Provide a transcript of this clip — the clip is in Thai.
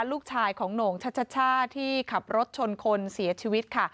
ลูกชายของโหน่งชัชช่าที่ขับรถชนคนเสียชีวิตค่ะ